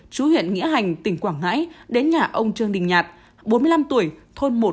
chú huyện nghĩa hành tỉnh quảng ngãi đến nhà ông trương đình nhạt bốn mươi năm tuổi thôn một